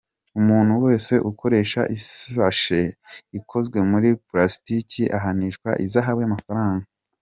Umuntu wese ukoresha isashe ikozwe muri pulasitiki, ahanishwa ihazabu y’amafaranga